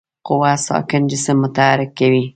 قوه ساکن جسم متحرک کوي.